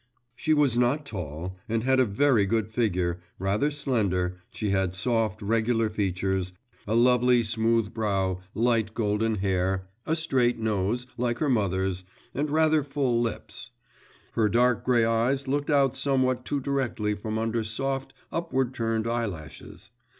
She was not tall, and had a very good figure, rather slender; she had soft, regular features, a lovely smooth brow, light golden hair, a straight nose, like her mother's, and rather full lips; her dark grey eyes looked out somewhat too directly from under soft, upward turned eyelashes.